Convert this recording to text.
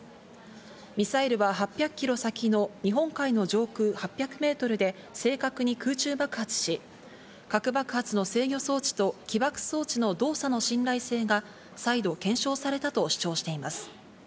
ミサイルは８００キロ先の日本海の上空８００メートルで正確に空中爆発し、核爆発の制御装置と起爆装置の動作の信頼性が、再度検証されたと主張しています。